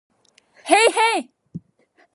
へいへい